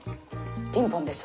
ピンポンです。